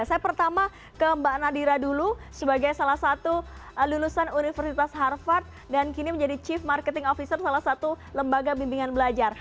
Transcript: saya pertama ke mbak nadira dulu sebagai salah satu lulusan universitas harvard dan kini menjadi chief marketing officer salah satu lembaga bimbingan belajar